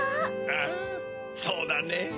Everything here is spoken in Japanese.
ああそうだね。